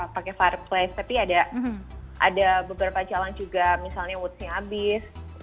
pakai fire place tapi ada beberapa jalan juga misalnya woodsnya habis